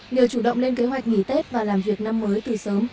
nhờ chủ động lên kế hoạch nghỉ tết và làm việc năm mới từ sớm